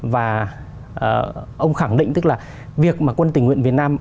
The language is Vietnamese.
và ông khẳng định tức là việc mà quân tình nguyện việt nam